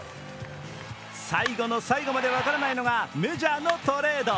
最後の最後まで分からないのがメジャーのトレード。